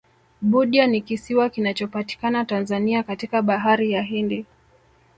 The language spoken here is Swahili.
budya ni kisiwa kinachopatikana tanzania katika bahari ya hindi